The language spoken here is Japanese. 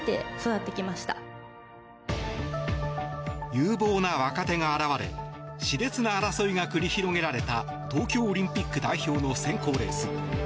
有望な若手が現れ熾烈な争いが繰り広げられた東京オリンピック代表の選考レース。